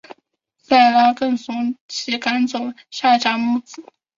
撒拉更怂其赶走夏甲母子。